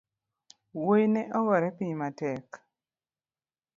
Wuoi ne ogore piny matek